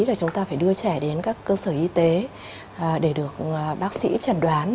thì chúng ta phải đưa trẻ đến các cơ sở y tế để được bác sĩ chẳng đoán